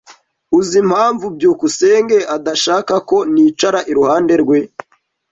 Uzi impamvu byukusenge adashaka ko nicara iruhande rwe?